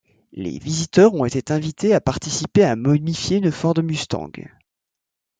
Les visiteurs ont été invités à participer à mommifier une Ford Mustang.